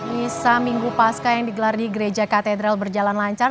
misa minggu pasca yang digelar di gereja katedral berjalan lancar